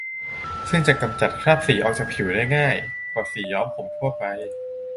ซึ่งจะกำจัดคราบสีออกจากผิวได้ง่ายกว่าสีย้อมผมทั่วไป